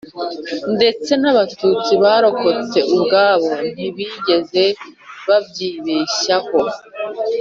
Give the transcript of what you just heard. ndetse n'abatutsi barokotse ubwabo ntibigeze babyibeshyaho